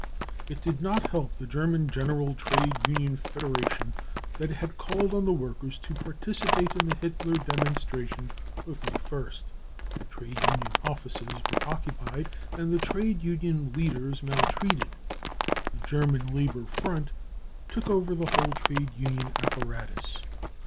It did not help the German General Trade Union Federa tion that it had called on the workers to participate in the Hitler demonstration of May 1st. The trade union offices were occupied, and the trade union leaders maltreated. The " German Labour Front 33 took over the whole trade union apparatus.